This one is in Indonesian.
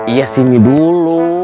iya sini dulu